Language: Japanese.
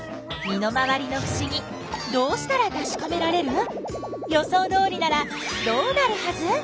身の回りのふしぎどうしたらたしかめられる？予想どおりならどうなるはず？